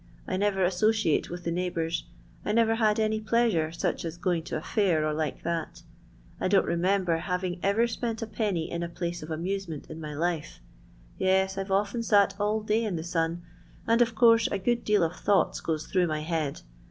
I never associata with the neighbours. I never had any pleaaore, rneh ai going to a iair, or like that I don't reoMBbir having ever spent a penny in a plaea of amai^ ment in my life. Tes, I 've often nt all day it the sun, and of course a deal of thouf^ti gov through my head.